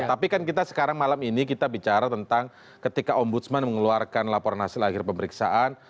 tapi kan kita sekarang malam ini kita bicara tentang ketika ombudsman mengeluarkan laporan hasil akhir pemeriksaan